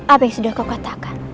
apa yang sudah kau katakan